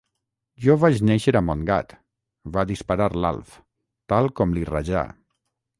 Jo vaig néixer a Montgat —va disparar l'Alf, tal com li rajà.